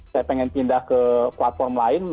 saya pengen pindah ke platform lain